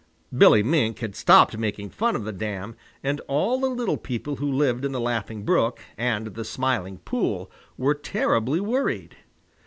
Billy Mink had stopped making fun of the dam, and all the little people who live in the Laughing Brook and the Smiling Pool were terribly worried.